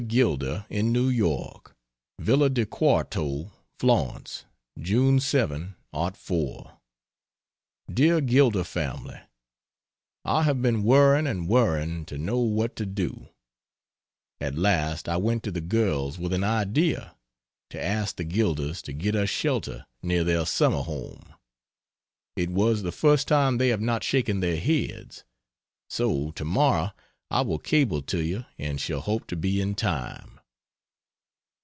Gilder, in New York: VILLA DI QUARTO, FLORENCE, June 7, '04. DEAR GILDER FAMILY, I have been worrying and worrying to know what to do: at last I went to the girls with an idea: to ask the Gilders to get us shelter near their summer home. It was the first time they have not shaken their heads. So to morrow I will cable to you and shall hope to be in time.